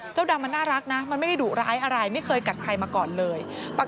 ดำมันน่ารักนะมันไม่ได้ดุร้ายอะไรไม่เคยกัดใครมาก่อนเลย